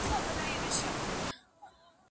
هغه خپل عزت وساتی او خاموش پاته سو.